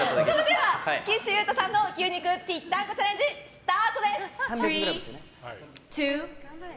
では、岸優太さんの牛肉ぴったんこチャレンジスタートです！